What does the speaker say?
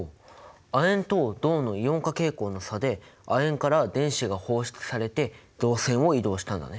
亜鉛と銅のイオン化傾向の差で亜鉛から電子が放出されて導線を移動したんだね。